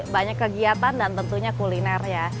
banyak kegiatan dan tentunya kuliner ya